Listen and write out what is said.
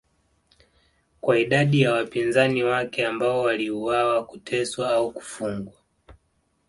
kwa idadi ya wapinzani wake ambao waliuawa kuteswa au kufungwa